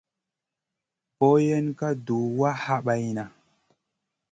Boyen ka duh wa habayna.